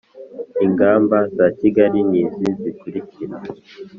Ingamba za Kigali ni izi zikurikira